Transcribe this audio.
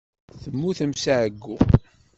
Temmutemt seg ɛeyyu.